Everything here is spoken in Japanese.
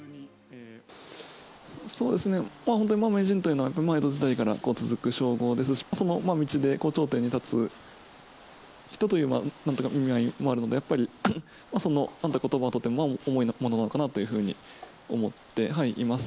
そうですね、本当に名人というのは、やっぱり江戸時代から続く称号ですし、その道で頂点に立つ人という意味合いもあるので、やっぱりそのは重いものかなというふうに思っています。